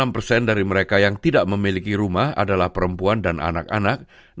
lima puluh enam persen dari mereka yang tidak memiliki rumah adalah perempuan dan anak anak